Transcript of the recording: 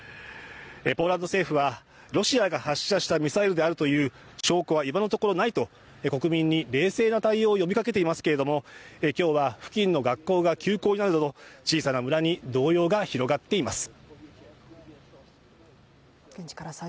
ポーランド政府は、ロシアが発射したミサイルであるという証拠は今のところないと国民に冷静な対応を呼びかけていますけれども今日は付近の学校が休校になるなど小さな村に動揺が広がっています。